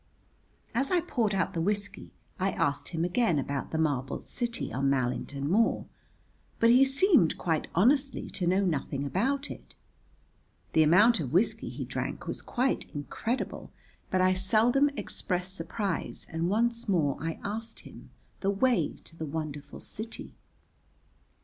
As I poured out the whiskey I asked him again about the marble city on Mallington Moor but he seemed quite honestly to know nothing about it. The amount of whiskey he drank was quite incredible, but I seldom express surprise and once more I asked him the way to the wonderful city.